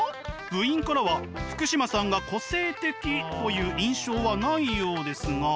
部員からは福島さんが個性的という印象はないようですが。